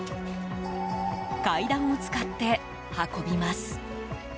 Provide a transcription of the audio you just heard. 階段を使って運びます。